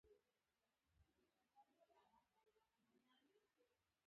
بازار شتون لري